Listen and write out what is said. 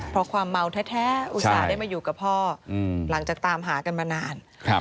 เพราะความเมาแท้อุตส่าห์ได้มาอยู่กับพ่อหลังจากตามหากันมานาน